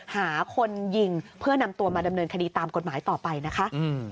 หาคนยิงเพื่อนำตัวมาดำเนินคดีตามกฎหมายต่อไปนะคะ